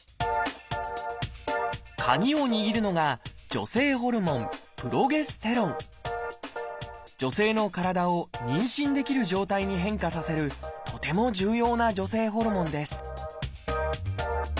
カギを握るのが女性ホルモン女性の体を妊娠できる状態に変化させるとても重要な女性ホルモンです